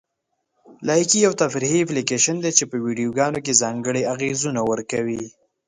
لایکي یو تفریحي اپلیکیشن دی چې په ویډیوګانو کې ځانګړي اغېزونه ورکوي.